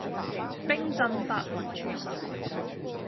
冰鎮白雲豬手